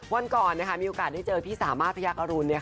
วันก่อนมีโอกาสได้เจอพี่สามารถพยักษรุณ